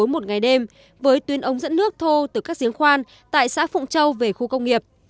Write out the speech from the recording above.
một ngày đêm với tuyên ống dẫn nước thô từ các giếng khoan tại xã phụng châu về khu công nghiệp